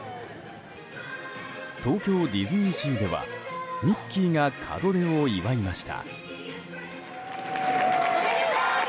東京ディズニーシーではミッキーが門出を祝いました。